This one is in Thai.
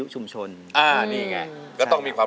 เพื่อจะไปชิงรางวัลเงินล้าน